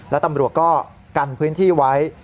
และตำรวจก็กันพื้นที่ไว้